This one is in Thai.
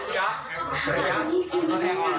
ก็ได้